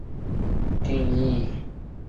这些公理通常可以被递回地定义。